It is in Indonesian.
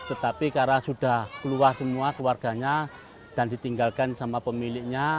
tetapi karena sudah keluar semua keluarganya dan ditinggalkan sama pemiliknya